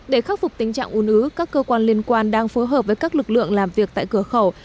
để khắc phục tình trạng un ứ các cơ quan liên quan đang phối hợp với các lực lượng làm việc tại cửa khẩu